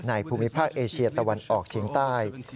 ภูมิภาคเอเชียตะวันออกเฉียงใต้